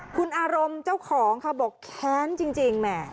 คุณอารมน์เจ้าของครับบอกแข้นจริง